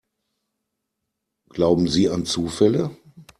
Glauben Sie an Zufälle?